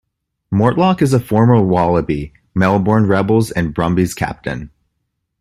Mortlock is a former Wallaby, Melbourne Rebels and Brumbies captain.